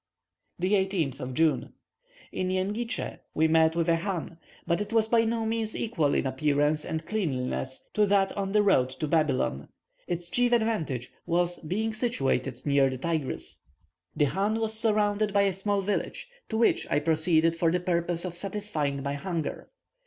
18th June. In Jengitsche we met with a chan, but it was by no means equal in appearance and cleanliness to that on the road to Babylon; its chief advantage was being situated near the Tigris. The chan was surrounded by a small village, to which I proceeded for the purpose of satisfying my hunger.